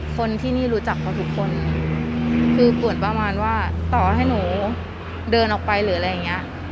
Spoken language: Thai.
คนที่นี่รู้จักเขาทุกคนคือปวดประมาณว่าต่อให้หนูเดินออกไปหรืออะไรอย่างเงี้ย